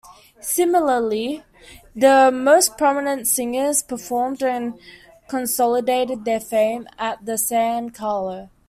Similarly the most prominent singers performed and consolidated their fame at the San Carlo.